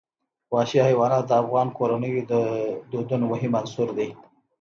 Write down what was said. وحشي حیوانات د افغان کورنیو د دودونو مهم عنصر دی.